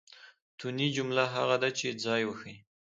توني؛ جمله هغه ده، چي ځای وښیي.